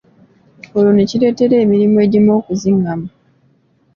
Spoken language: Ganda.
Olwo ne kireetera emirimu egimu okuzingama.